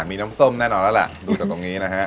มีน้ำส้มแน่นอนแล้วล่ะดูจากตรงนี้นะฮะ